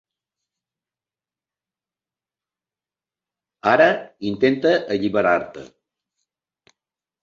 Ara intenta alliberar-te.